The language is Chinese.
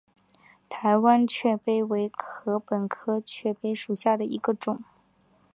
台湾雀稗为禾本科雀稗属下的一个种。